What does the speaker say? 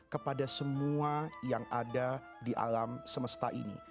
kepada semua yang ada di alam semesta ini